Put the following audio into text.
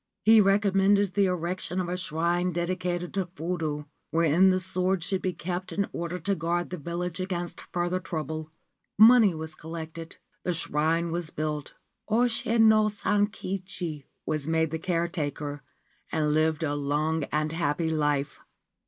He re commended the erection of a shrine dedicated to Fudo, wherein the sword should be kept in order to guard the village against further trouble. Money was collected. The shrine was built. Oshi no Sankichi was made the caretaker, and lived a long and happy life.